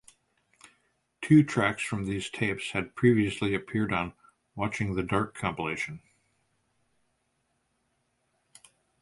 Two tracks from these tapes had previously appeared on the "Watching The Dark" compilation.